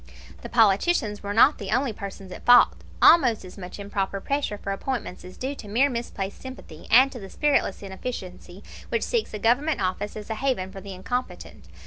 The politicians were not the only persons at fault; almost as much improper pressure for appointments is due to mere misplaced sympathy, and to the spiritless inefficiency which seeks a Government office as a haven for the incompetent.